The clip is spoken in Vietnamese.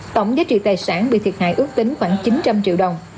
tổng giá trị tài sản bị thiệt hại ước tính khoảng chín trăm linh triệu đồng